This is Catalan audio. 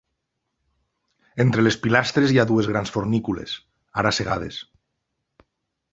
Entre les pilastres hi ha dues grans fornícules, ara cegades.